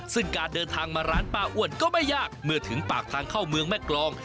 ซึ่งการเดินทางมาร้านป้าอ้วนก็ไม่ยากเมื่อถึงปากทางเข้าเมืองแม่กรอง